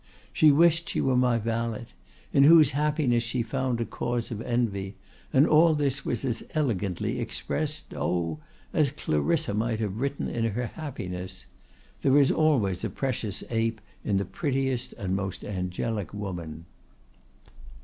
She wished she were my valet, in whose happiness she found a cause of envy, and all this was as elegantly expressed, oh! as Clarissa might have written in her happiness. There is always a precious ape in the prettiest and most angelic woman!"